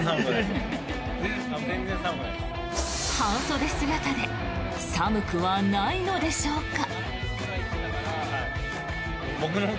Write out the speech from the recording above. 半袖姿で寒くはないのでしょうか。